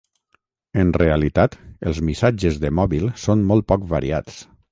En realitat, els missatges de mòbil són molt poc variats.